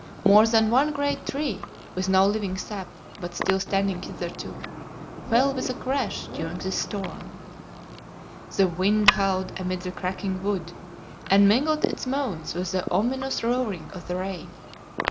More than one great tree, with no living sap, but still standing hitherto, fell with a crash during this storm. The wind howled amid the cracking wood, and mingled its moans with the ominous roaring of the rain.